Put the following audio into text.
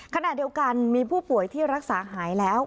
ขณะเดียวกันมีผู้ป่วยที่รักษาหายแล้ว